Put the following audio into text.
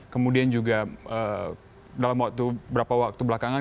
kemudian juga dalam waktu berapa waktu belakangan